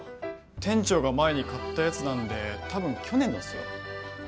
店長が前に買ったやつなんでたぶん去年のっすよ。